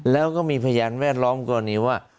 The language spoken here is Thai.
แล้วก็มีพยานแวดล้อมกรณีว่า